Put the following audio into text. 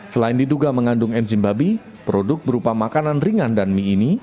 selain diduga mengandung enzim babi produk berupa makanan ringan dan mie ini